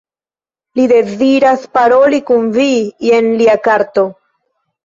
Li deziras paroli kun vi, jen lia karto.